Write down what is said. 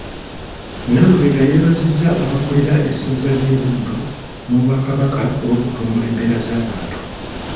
Nalubega yeebazizza abakulira essaza lye Buddu n'Obwakabaka olw'okutumbula embeera z'abantu.